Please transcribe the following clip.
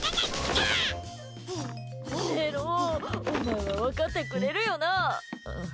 メロ、お前は分かってくれるよな？